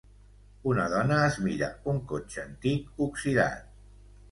Una dona es mira un cotxe antic oxidat.